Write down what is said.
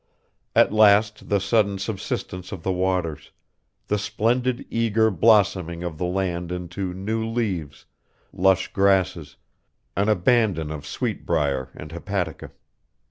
At last the sudden subsidence of the waters; the splendid eager blossoming of the land into new leaves, lush grasses, an abandon of sweetbrier and hepatica.